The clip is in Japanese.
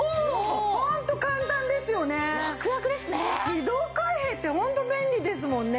自動開閉ってホント便利ですもんね。